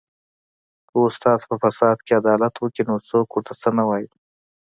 که استاد په فساد کې عدالت وکړي نو څوک ورته څه نه وايي